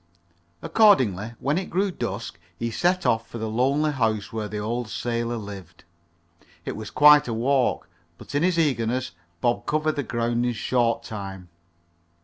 Accordingly, when it grew dusk, he set off for the lonely house where the old sailor lived. It was quite a walk, but in his eagerness Bob covered the ground in short time.